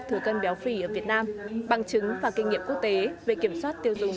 thừa cân béo phì ở việt nam bằng chứng và kinh nghiệm quốc tế về kiểm soát tiêu dùng